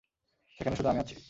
সেখানে শুধু আমি আছি।